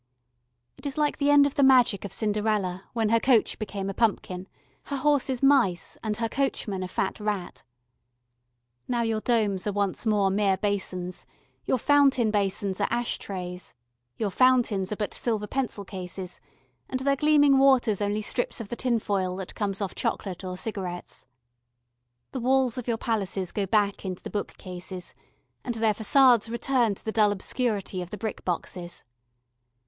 It is like the end of the magic of Cinderella when her coach became a pumpkin, her horses mice and her coachman a fat rat. Now your domes are once more mere basins, your fountain basins are ash trays, your fountains are but silver pen cases and their gleaming waters only strips of the tin foil that comes off chocolate or cigarettes. The walls of your palaces go back into the book cases, and their façades return to the dull obscurity of the brick boxes.